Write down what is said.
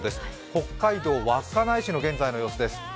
北海道稚内市の現在の様子です。